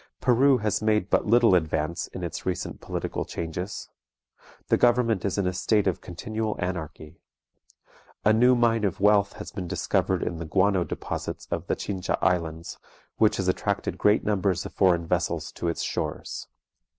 Peru has made but little advance in its recent political changes. The government is in a state of continual anarchy. A new mine of wealth has been discovered in the guano deposits of the Chincha Islands, which has attracted great numbers of foreign vessels to its shores.